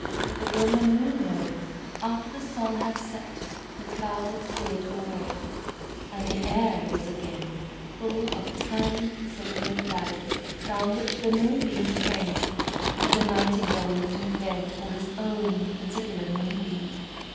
But when the Moon rose, after the sun had set, the clouds cleared away, and the air was again full of tiny silver ladders, down which the Moonbeams came, but the Nightingale looked in vain for his own particular Moonbeam.